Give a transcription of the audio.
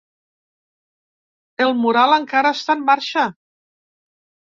El mural encara està en marxa!